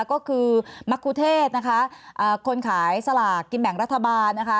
ก็คือมรรคุเทศนะคะคนขายสลากกินแบ่งรัฐบาลนะคะ